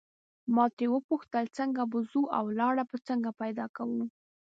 ما ترې وپوښتل څنګه به ځو او لاره به څنګه پیدا کوو.